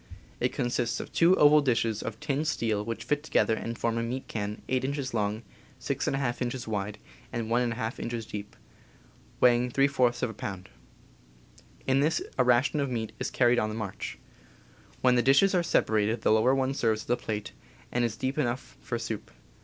It consists of two oval dishes of tinned steel which fit together and form a meat can 8 inches long, 6^ inches wide, and 1^ inches deep, weighing f of a pound. In this a ration of meat is carried on the march. When the dishes are separated the lower one serves as a plate, and is deep enough for soup.